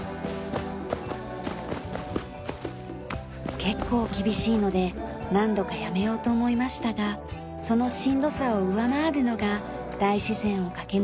結構厳しいので何度かやめようと思いましたがそのしんどさを上回るのが大自然を駆け抜ける爽快さ。